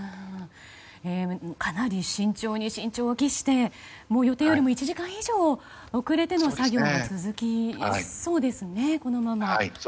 かなり慎重を期して予定よりも１時間以上遅れての作業が続きそうですね。